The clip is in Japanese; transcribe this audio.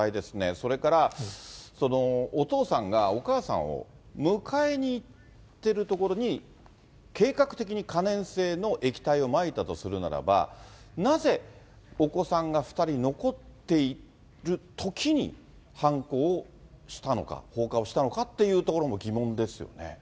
それからお父さんがお母さんを迎えに行ってるところに、計画的に可燃性の液体をまいたとするならば、なぜお子さんが２人残っているときに犯行をしたのか、放火をしたのかっていうところも疑問ですよね。